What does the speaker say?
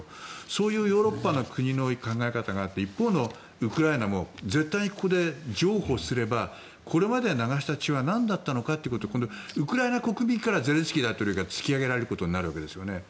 そういうヨーロッパの国の考え方があって一方のウクライナも絶対にここで譲歩すればこれまで流した血はなんだったのかとウクライナ国民からゼレンスキー大統領が突き上げられることになるわけですよね。